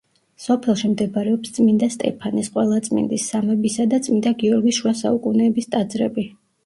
სოფელში მდებარეობს წმინდა სტეფანეს, ყველაწმინდის, სამებისა და წმინდა გიორგის შუა საუკუნეების ტაძრები.